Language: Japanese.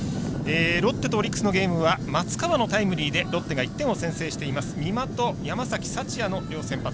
ロッテとオリックスのゲームは松川のタイムリーでロッテが１点を先制美馬と山崎福也の両先発。